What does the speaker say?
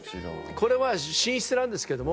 これは寝室なんですけども。